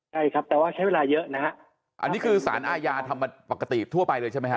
ใช่ครับแต่ว่าใช้เวลาเยอะนะฮะอันนี้คือสารอาญาทำปกติทั่วไปเลยใช่ไหมฮ